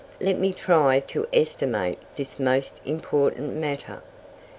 Let me try to estimate this most important matter.